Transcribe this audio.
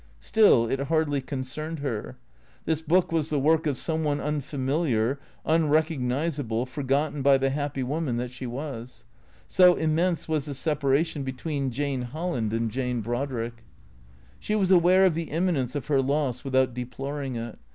Still, it hardly concerned her. This book was the work of some one unfamiliar, unrecognizable, forgotten by the happy woman that she was. So immense was the separation between Jane Holland and Jane Brodrick. She was aware of the imminence of her loss without deploring it.